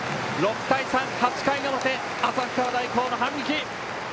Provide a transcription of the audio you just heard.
６対３８回の表、旭川大高の反撃。